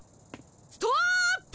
ストップ！